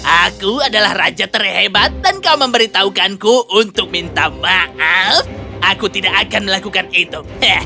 aku adalah raja terhebat dan kau memberitahukanku untuk minta maaf aku tidak akan melakukan itu